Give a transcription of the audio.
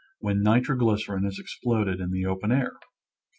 231 when nitroglycerin is exploded in the open air.